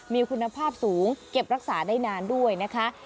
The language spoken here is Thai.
มีคุณภาพสูงเก็บรักษาได้นานด้วยนะคะ